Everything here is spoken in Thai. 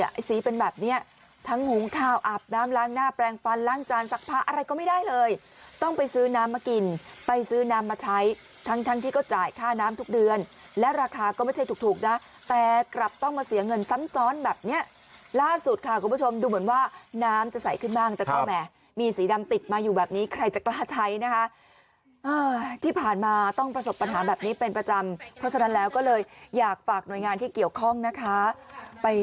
ไม่ได้เลยสีเป็นแบบนี้ทั้งหูข้าวอาบน้ำล้างหน้าแปลงฟันล่างจานสักพาอะไรก็ไม่ได้เลยต้องไปซื้อน้ำมากินไปซื้อน้ำมาใช้ทั้งที่ก็จ่ายค่าน้ำทุกเดือนและราคาก็ไม่ใช่ถูกนะแต่กลับต้องมาเสียเงินซ้ำซ้อนแบบนี้ล่าสุดค่ะคุณผู้ชมดูเหมือนว่าน้ำจะใสขึ้นบ้างแต่ก็แหม่มีสีดำติดมาอยู่แบบนี้ใครจะกล้าใช้นะคะ